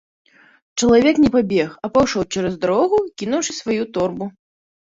Чалавек не пабег, а пайшоў цераз дарогу, кінуўшы сваю торбу.